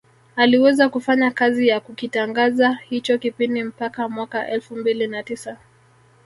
Aliweza kufanya kazi ya kukitangaza hicho kipindi mpaka mwaka elfu mbili na tisa